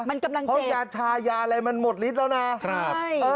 เพราะยาชายาอะไรมันหมดฤทธิ์แล้วนะ